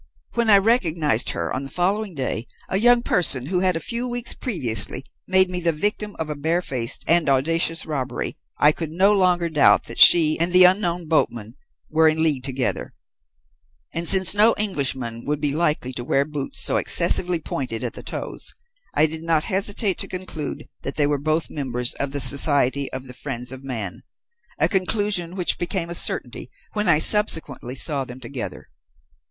When I recognized in her, on the following day, a young person who had, a few weeks previously, made me the victim of a barefaced and audacious robbery, I could no longer doubt that she and the unknown boatman were in league together; and, since no Englishman would be likely to wear boots so excessively pointed at the toes, I did not hesitate to conclude that they were both members of the Society of the Friends of Man, a conclusion which became a certainty when I subsequently saw them together.